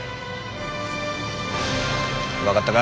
分かったか。